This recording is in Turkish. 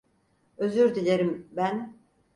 Özür dilerim, ben…